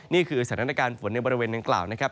นี่คือสถานการณ์ฝนในบริเวณดังกล่าวนะครับ